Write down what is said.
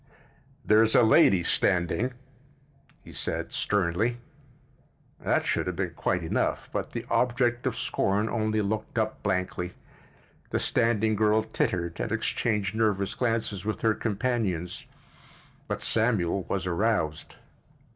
"There's a lady standing," he said sternly. That should have been quite enough, but the object of scorn only looked up blankly. The standing girl tittered and exchanged nervous glances with her companions. But Samuel was aroused.